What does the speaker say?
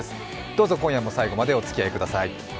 どうぞ今夜も最後までおつきあいください。